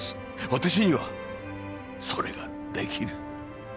私にはそれが出来る。